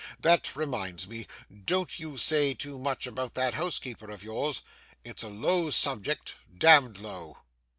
That reminds me—don't you say too much about that housekeeper of yours; it's a low subject, damned low.